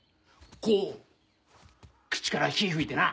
こう口から火ぃ吹いてな。